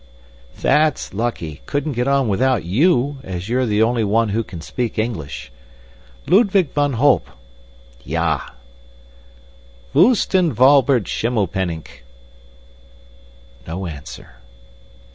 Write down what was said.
"That's lucky! Couldn't get on without YOU, as you're the only one who can speak English. Ludwig van Holp!" "Ya!" "Voostenwalbert Schimmelpenninck!" No answer.